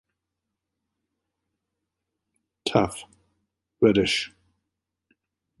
Tough, reddish.